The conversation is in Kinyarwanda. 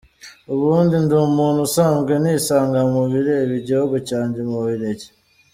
Ubundi ndi umuntu usanzwe nisanga mubireba igihugu cyanjye mu Bubirigi.